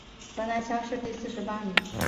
河南乡试第四十八名。